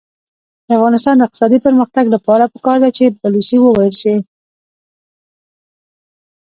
د افغانستان د اقتصادي پرمختګ لپاره پکار ده چې بلوڅي وویل شي.